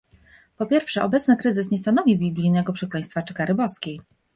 Po pierwsze obecny kryzys nie stanowi biblijnego przekleństwa czy kary boskiej